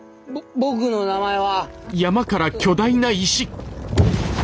僕の名前は。